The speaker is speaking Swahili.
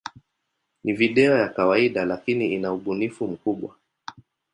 Ni video ya kawaida, lakini ina ubunifu mkubwa.